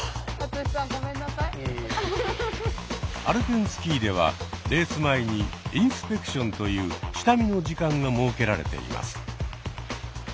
アルペンスキーではレース前にインスペクションという下見の時間が設けられています。